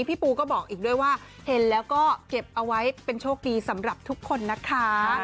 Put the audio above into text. พี่ปูก็บอกอีกด้วยว่าเห็นแล้วก็เก็บเอาไว้เป็นโชคดีสำหรับทุกคนนะคะ